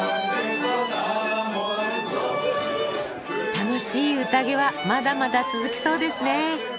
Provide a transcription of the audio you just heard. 楽しい宴はまだまだ続きそうですね。